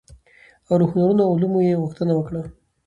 او له هنرونو او علومو يې غوښتنه وکړه،